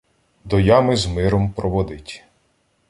До ями з миром проводить.